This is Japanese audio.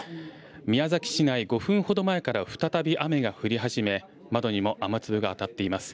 宮崎市内、５分ほど前から再び雨が降り始め窓にも雨粒が当たっています。